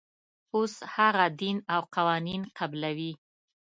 اوس هغه دین او قوانین قبلوي.